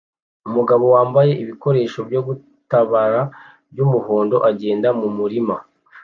Umugabo wambaye ibikoresho byo gutabara byumuhondo agenda mumurima